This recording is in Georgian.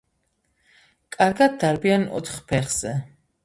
კარგად დარბიან ოთხ ფეხზე.